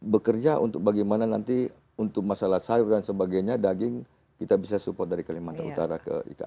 bekerja untuk bagaimana nanti untuk masalah sayur dan sebagainya daging kita bisa support dari kalimantan utara ke ikn